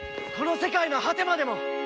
この世界の果てまでも！